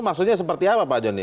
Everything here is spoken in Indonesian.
maksudnya seperti apa pak joni